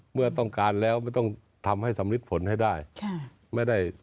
เมื่อต้องการแล้วไม่ต้องทำให้สำริดผลให้ได้